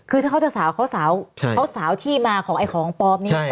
คือถ้าเขาจะสาวเขาสาวที่มาของของปลอบนี้ต่างหาก